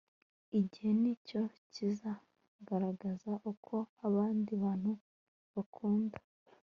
igihe ni cyo kizagaragaza uko abandi bantu bakunda